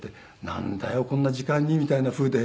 なんだよこんな時間にみたいなふうで。